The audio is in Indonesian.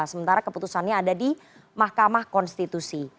sementara keputusannya ada di mahkamah konstitusi